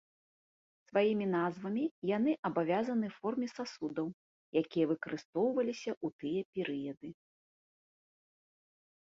Сваімі назвамі яны абавязаны форме сасудаў, якія выкарыстоўваліся ў тыя перыяды.